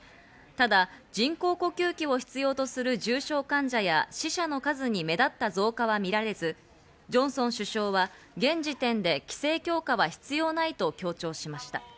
ただ人工呼吸器を必要とする重症患者や死者の数に目立った増加は見られず、ジョンソン首相は現時点で規制強化は必要ないと強調しました。